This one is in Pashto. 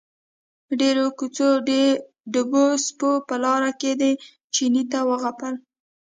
ډېرو کوڅه ډبو سپو په لاره کې دې چیني ته وغپل.